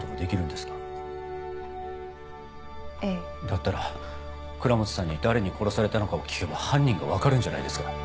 だったら倉持さんに誰に殺されたのかを聞けば犯人が分かるんじゃないですか？